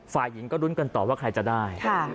ฝ่ายหญิงก็รุ้นกันต่อว่าใครจะได้